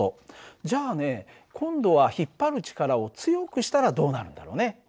じゃあね今度は引っ張る力を強くしたらどうなるんだろうね？